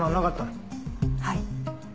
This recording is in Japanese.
はい。